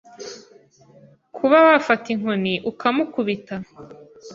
Kuba wafata inkoni ukamukubita